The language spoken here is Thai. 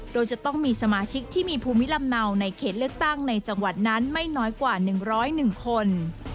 โดยจะต้องมีสมาชิกที่มีภูมิลำเนาในเขตเลือกตั้งในจังหวัดนั้นไม่น้อยกว่า๑๐๑คน